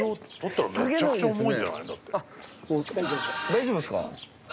大丈夫ですか？